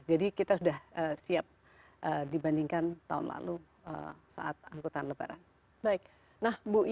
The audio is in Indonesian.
jadi kita sudah siap dibandingkan tahun lalu saat angkutan lebaran